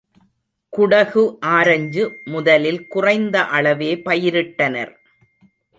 குடகு ஆரஞ்சு முதலில் குறைந்த அளவே பயிரிட்டனர்.